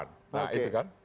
nah itu kan